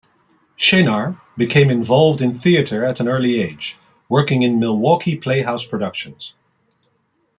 Shenar became involved in theatre at an early age, working in Milwaukee playhouse productions.